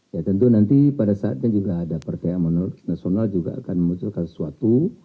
ya tentu nanti pada saatnya juga ada partai amanat nasional juga akan memunculkan sesuatu